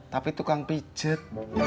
tapi tukang pijet